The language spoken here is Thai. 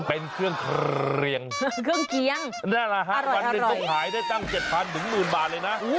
เป็นเครื่องเครียงเครื่องเกี้ยงอร่อยนั่นแหละฮะมันเป็นต้มหายได้ตั้ง๗๐๐๐๑๐๐๐๐บาทเลยนะ